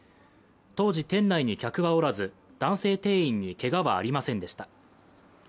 当時、店内に客らおらず男性店員にけがはありませんでした。